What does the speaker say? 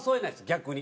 逆に。